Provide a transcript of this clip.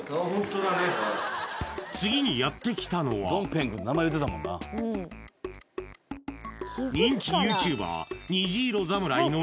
次にやってきたのは人気ＹｏｕＴｕｂｅｒ